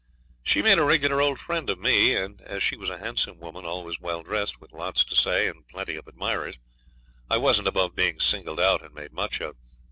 She made a regular old friend of me, and, as she was a handsome woman, always well dressed, with lots to say and plenty of admirers, I wasn't above being singled out and made much of.